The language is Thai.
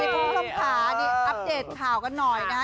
เพราะสำคัญอัพเดทข่าวกันหน่อยนะฮะ